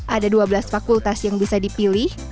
ada dua belas fakultas yang bisa dipilih